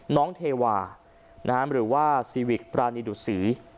เทวาหรือว่าซีวิกปรานีดุษี